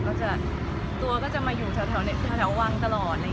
ก็จะตัวก็จะมาอยู่แถววังตลอด